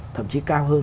thậm chí cao hơn